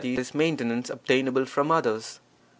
e., maintenance obtainable from others.